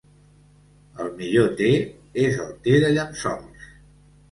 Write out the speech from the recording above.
El millor te és el te de llençols.